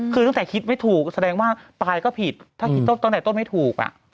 คือตั้งแต่คิดไม่ถูกแสดงว่าตายก็ผิดถ้าคิดตั้งแต่ต้นไม่ถูก